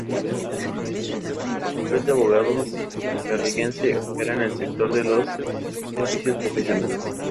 El Bufete de Abogados Garrigues opera en el sector de los servicios profesionales.